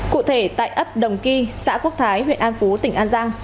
cụ thể tại ấp đồng ky xã quốc thái huyện an phú tỉnh an giang